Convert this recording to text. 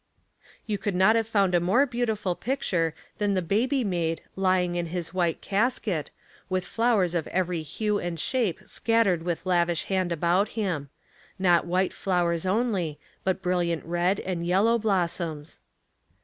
You could not have found a more beautiful picture than the baby made lying in his white casket, with flowers of every hue and shape scattered with lavish hand about him — not white flowers only, but brilliant red and yellow blossoms.